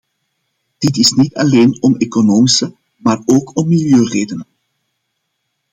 Dit is niet alleen om economische maar ook om milieuredenen.